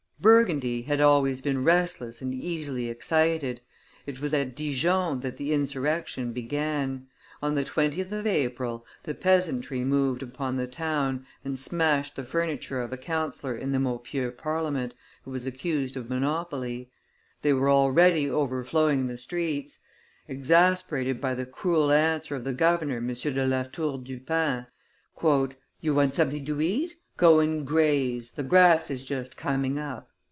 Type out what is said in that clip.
Burgundy had always been restless and easily excited. It was at Dijon that the insurrection began; on the 20th of April, the peasantry moved upon the town and smashed the furniture of a councillor in the Maupeou Parliament, who was accused of monopoly; they were already overflowing the streets; exasperated by the cruel answer of the governor, M. de la Tour du Pin: "You want something to eat? Go and graze; the grass is just coming up."